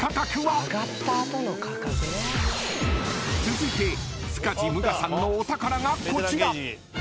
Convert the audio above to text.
［続いて塚地武雅さんのお宝がこちら］